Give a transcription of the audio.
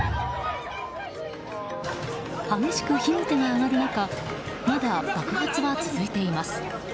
激しく火の手が上がる中まだ爆発は続いています。